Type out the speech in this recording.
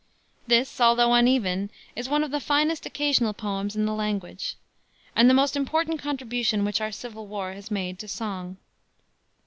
This, although uneven, is one of the finest occasional poems in the language, and the most important contribution which our civil war has made to song.